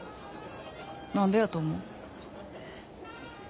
何でやと思う？